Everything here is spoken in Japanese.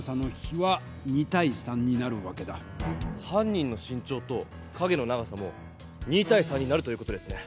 犯人の身長と影の長さも２対３になるという事ですね。